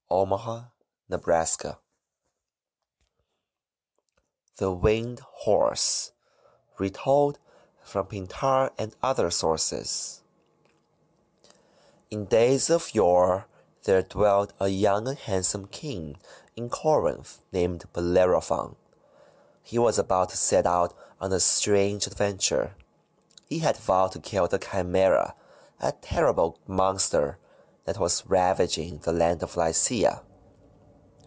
THE WINGED HORSE 397 THE WINGED HORSE Retold from Pindar and Other Sources IN days of yore there dwelt a young and hand some King in Corinth, named Bellerophon. He was about to set out on a strange adventure. He had vowed to kill the Chimsera, a terrible monster that was ravaging the land of Lycia.